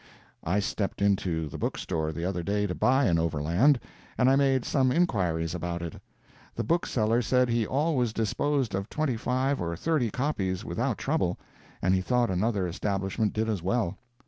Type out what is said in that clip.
I stepped into the bookstore the other day to buy an Overland, and I made some inquiries about it. The bookseller said he always disposed of twenty five or thirty copies without trouble, and he thought another establishment did as well.